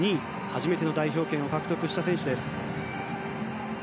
初めての代表権を獲得した選手です。